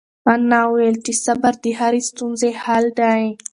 انا وویل چې صبر د هرې ستونزې حل دی.